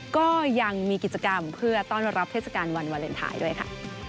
ก็ยังมีกิจกรรมเพื่อต้อนรับเทศกาลวันวาเลนไทยด้วยค่ะ